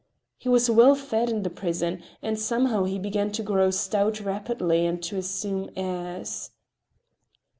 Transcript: He was well fed in the prison, and somehow he began to grow stout rapidly and to assume airs.